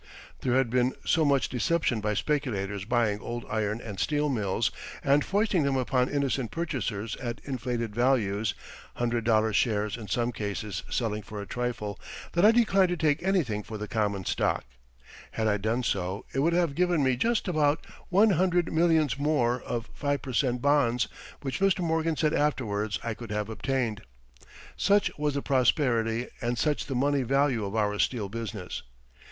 [Illustration: CHARLES M. SCHWAB] There had been so much deception by speculators buying old iron and steel mills and foisting them upon innocent purchasers at inflated values hundred dollar shares in some cases selling for a trifle that I declined to take anything for the common stock. Had I done so, it would have given me just about one hundred millions more of five per cent bonds, which Mr. Morgan said afterwards I could have obtained. Such was the prosperity and such the money value of our steel business.